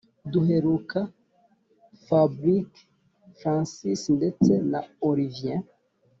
duheruka fabric francis ndetse na olivier